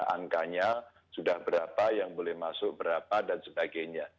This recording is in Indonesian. angkanya sudah berapa yang boleh masuk berapa dan sebagainya